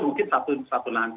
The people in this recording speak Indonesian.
mungkin satu lantai atau dua lantai